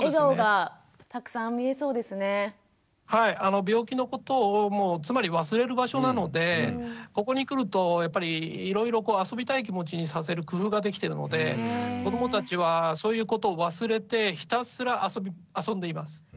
病気のことをもうつまり忘れる場所なのでここに来るとやっぱりいろいろ遊びたい気持ちにさせる工夫ができてるので子どもたちはそういうことを忘れてひたすら遊んでいます。